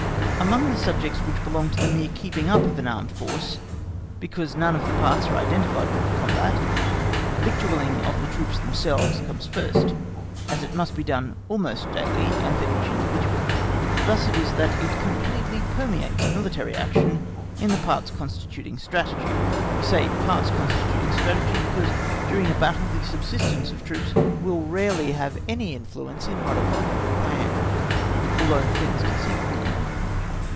Amongst the subjects which belong to the mere keeping up of an armed force, because none of the parts are identified with the combat, the victualling of the troops themselves comes first, as it must be done almost daily and for each individual. Thus it is that it completely permeates military action in the parts constituting strategy—we say parts constituting strategy, because during a battle the subsistence of troops will rarely have any influence in modifying the plan, although the thing is conceivable enough.